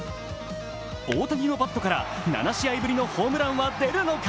大谷のバットから７試合ぶりのホームランは出るのか。